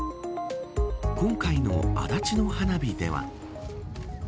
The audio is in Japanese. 今回の足立の花火では。